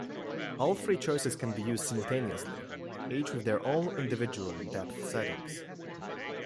All three choices can be used simultaneously, each with their own individual depth settings.